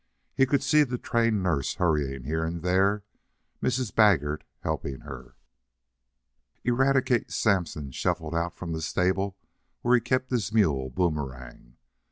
He could see the trained nurse hurrying here and there, Mrs. Baggert helping her. Eradicate Sampson shuffled out from the stable where he kept his mule Boomerang.